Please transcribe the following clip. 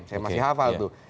saya masih hafal tuh